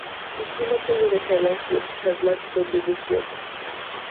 Buscó el apoyo de Gerald FitzGerald, conde de Desmond.